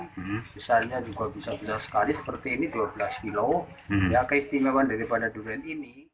besarnya juga bisa bisa sekali seperti ini dua belas kilo ya keistimewaan daripada durian ini